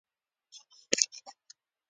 د خلکو کریغې او فریادونه واورېدل